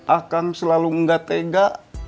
akang selalu gak tega